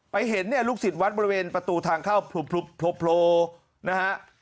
ไปเห็นลูกศิษย์วัดบริเวณประตูทางเข้าโพลนะฮะ